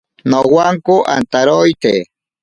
Nowanko antaroite.